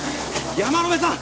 山野辺さん！